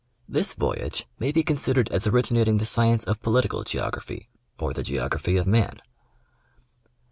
This voyage may be consid ered as originating the science of Political Geography, or the geography of man.